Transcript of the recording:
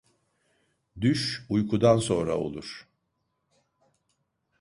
Düş uykudan sonra olur.